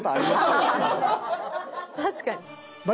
確かに。